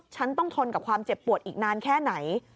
ฉันต้องทนกับความเจ็บปวดอีกนานแค่ไหน